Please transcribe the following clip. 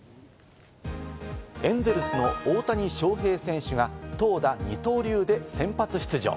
エンゼルスの大谷翔平選手が投打二刀流で先発出場。